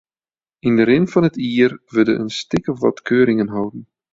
Yn de rin fan it jier wurde in stik of wat keuringen holden.